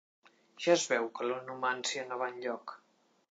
Ja es veu que l'onomància no va enlloc.